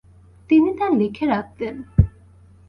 তিনি তা লিখে রাখতেন।